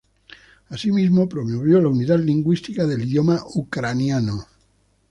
Asimismo, promovió la unidad lingüística del idioma ucraniano.